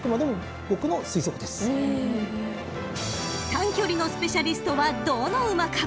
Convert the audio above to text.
［短距離のスペシャリストはどの馬か］